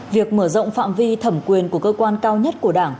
việc mở rộng phạm vi thẩm quyền của cơ quan cao nhất của đảng